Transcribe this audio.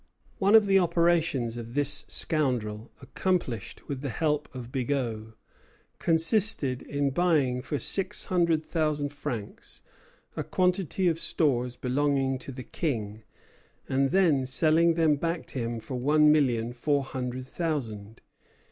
One of the operations of this scoundrel, accomplished with the help of Bigot, consisted in buying for six hundred thousand francs a quantity of stores belonging to the King, and then selling them back to him for one million four hundred thousand.